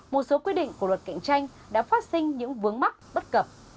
một số quy định của luật cạnh tranh đã phát sinh những vướng mắc bất cập